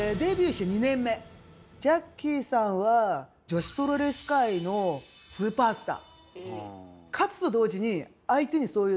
ジャッキーさんは女子プロレス界のスーパースター。